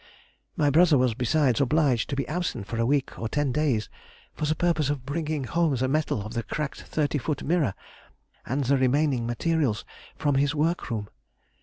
My brother was besides obliged to be absent for a week or ten days for the purpose of bringing home the metal of the cracked thirty foot mirror, and the remaining materials from his work room.